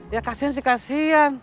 ya kasian sih kasian